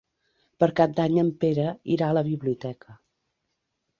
Per Cap d'Any en Pere irà a la biblioteca.